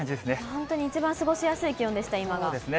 本当に、一番過ごしやすい気そうですね。